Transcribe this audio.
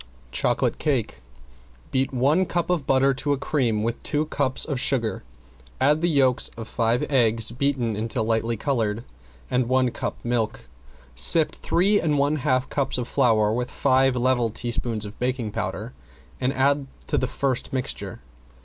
~CHOCOLATE CAKE ~Beat one cup of butter to a cream with two cups of sugar, add the yolks of five eggs, beaten until light colored, and one cup of milk. Sift three and one half cups of flour with five level teaspoons of baking powder and add to the first mixture.